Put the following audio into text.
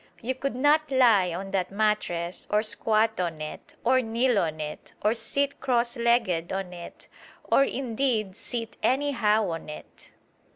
You could not lie on that mattress, or squat on it, or kneel on it, or sit cross legged on it, or indeed sit anyhow on it.